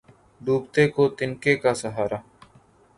ڈیںبتیں کیں تنکیں کا سہارا